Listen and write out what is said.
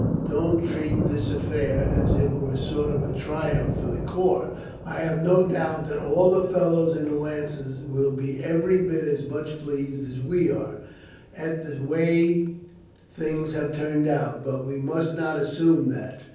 Don't treat this affair as if it were a sort of triumph for the corps. I have no doubt that all the fellows in the Lancers will be every bit as much pleased as we are, at the way things have turned out; but we must not assume that.